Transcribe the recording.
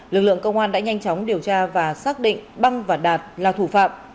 lực lượng công an đã nhanh chóng điều tra và xác định băng và đạt là thủ phạm